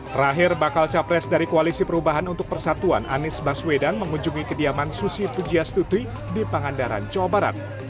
terakhir bakal capres dari koalisi perubahan untuk persatuan anies baswedan mengunjungi kediaman susi pujiastuti di pangandaran jawa barat